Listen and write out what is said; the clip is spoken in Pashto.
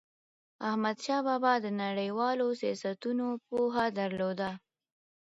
احمدشاه بابا د نړیوالو سیاستونو پوهه درلوده.